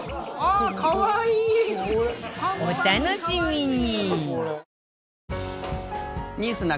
お楽しみに！